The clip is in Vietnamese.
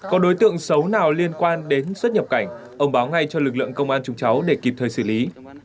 có đối tượng xấu nào liên quan đến xuất nhập cảnh ông báo ngay cho lực lượng công an chúng cháu để kịp thời xử lý